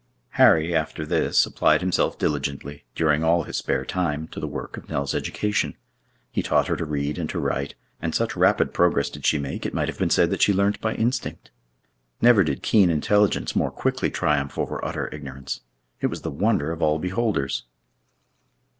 Harry, after this, applied himself diligently, during all his spare time, to the work of Nell's education. He taught her to read and to write, and such rapid progress did she make, it might have been said that she learnt by instinct. Never did keen intelligence more quickly triumph over utter ignorance. It was the wonder of all beholders.